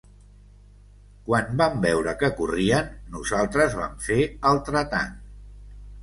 Quan vam veure que corrien, nosaltres vam fer altre tant.